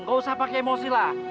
gak usah pakai emosi lah